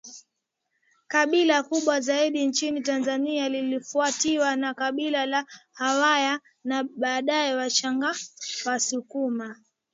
kabila kubwa zaidi nchini Tanzania likifuatiwa na Kabila la Wahaya na baadae WachaggaWasukuma